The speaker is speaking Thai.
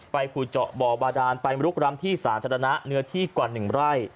ผูเจาะบ่อบาดานไปลุกร้ำที่สาธารณะเนื้อที่กว่า๑ไร่